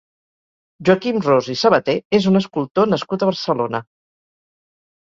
Joaquim Ros i Sabaté és un escultor nascut a Barcelona.